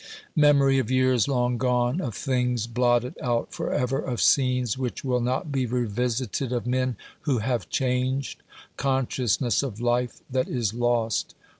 Memory of years long gone, of things blotted out for ever, of scenes which will not be revisited, of men who have changed ! Consciousness of life that is lost